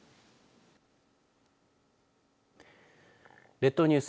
列島ニュース